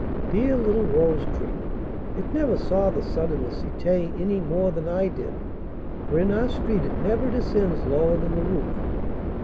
Dear little rose tree! it never saw the sun in the Cité any more than I did, for in our street it never descends lower than the roof.